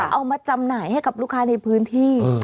เอามาจำหน่ายให้กับลูกค้าในพื้นที่